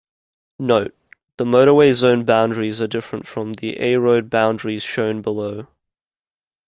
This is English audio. Note: The motorway zone boundaries are different from the A-road boundaries shown below.